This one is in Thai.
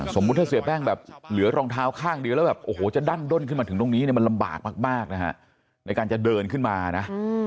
สมมุติถ้าเสียแป้งแบบเหลือรองเท้าข้างเดียวแล้วแบบโอ้โหจะดั้นด้นขึ้นมาถึงตรงนี้เนี่ยมันลำบากมากนะฮะในการจะเดินขึ้นมานะ